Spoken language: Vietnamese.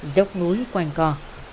dốc núi quanh co